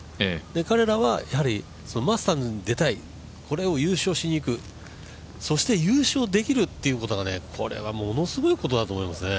彼らはマスターズに出たいこれを優勝しにいくそして優勝できるってことがものすごいことだと思います。